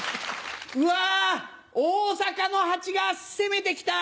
うわ大阪の蜂が攻めて来た！